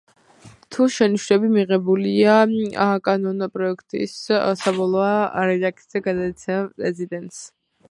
თუ შენიშვნები მიღებულია, კანონპროექტის საბოლოო რედაქცია გადაეცემა პრეზიდენტს